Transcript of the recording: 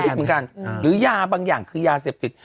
ใช่ใช้เพื่อการหรือยาบางอย่างคือยาเสพติด